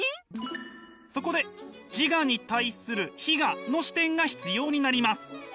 そこで自我に対する非我の視点が必要になります。